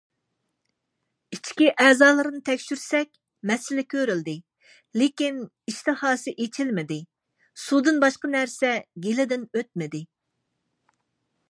ئىچكى ئەزالىرىنى تەكشۈرتسەك مەسىلە كۆرۈلمىدى، لېكىن ئىشتىھاسى ئېچىلمىدى، سۇدىن باشقا نەرسە گېلىدىن ئۆتمىدى.